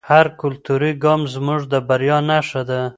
هر کلتوري ګام زموږ د بریا نښه ده.